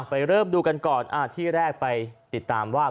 เริ่มดูกันก่อนที่แรกไปติดตามว่า